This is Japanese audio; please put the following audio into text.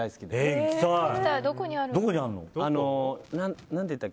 どこにあるの？